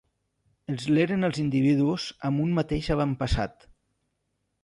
Els l'eren els individus amb un mateix avantpassat.